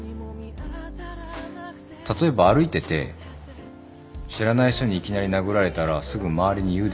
例えば歩いてて知らない人にいきなり殴られたらすぐ周りに言うでしょう？